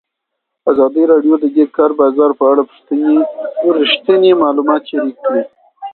ازادي راډیو د د کار بازار په اړه رښتیني معلومات شریک کړي.